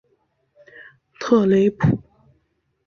特雷普。